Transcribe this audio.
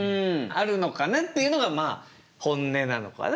「あるのかな」っていうのがまあ本音なのかな。